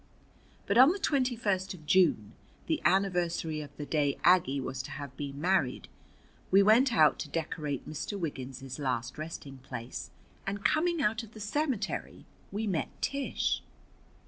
But on the 21st of June, the anniversary of the day Aggie was to have been married, we went out to decorate Mr. Wiggins's last resting place, and coming out of the cemetery we met Tish.